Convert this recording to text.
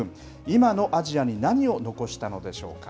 今のアジアに何を残したのでしょうか。